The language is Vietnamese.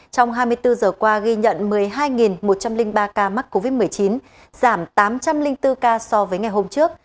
trong hai mươi bốn giờ qua ghi nhận một mươi hai một trăm linh ba ca mắc covid một mươi chín giảm tám trăm linh bốn ca so với ngày hôm trước